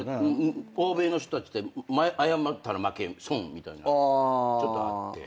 欧米の人たちって謝ったら負け損みたいなちょっとあって。